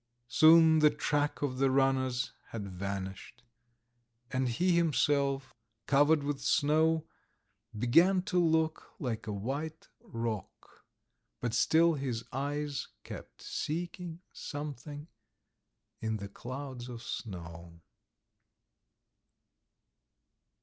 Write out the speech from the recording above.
... Soon the track of the runners had vanished, and he himself covered with snow, began to look like a white rock, but still his eyes kept seeking something in the clouds of snow.